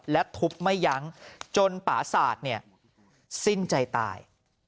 และทุบไม่ยั้งจนป่าศาสตร์เนี่ยสิ้นใจตาย